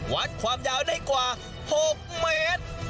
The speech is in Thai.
วัดความยาวได้กว่า๖เมตร